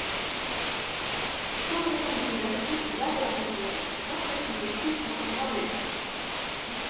cent soixante-dix-neuf route du Bas de la Rivière, vingt-neuf mille six cents Morlaix